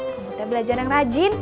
kamu teh belajar yang rajin